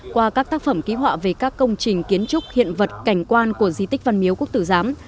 qua các tác phẩm ký họa về các công trình kiến trúc hiện vật cảnh quan của di tích văn miếu quốc tử giám